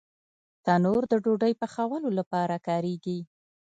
تنور د ډوډۍ پخولو لپاره کارېږي